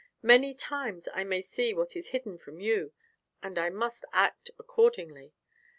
Many times I may see what is hidden from you, and I must act accordingly.